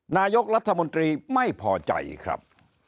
นายกรัฐมนตรีไม่พอใจครับ